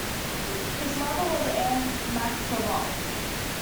His mother was Anne McGavock.